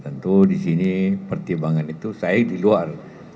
tentu disini pertimbangan itu saya di luar